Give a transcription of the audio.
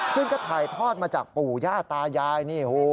ซึ่งก็ถ่ายทอดมาจากปู่ย่าตายายนี่